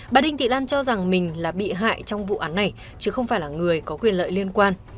bà đinh thị lan cho rằng mình là bị hại trong vụ án này chứ không phải là người có quyền lợi liên quan